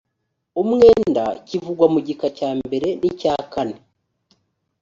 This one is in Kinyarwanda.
umwenda kivugwa mu gika cya mbere n icyakane